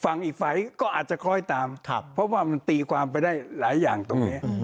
อีกฝ่ายก็อาจจะคอยตามเพราะว่ามันตีความไปได้หลายอย่างตรงนี้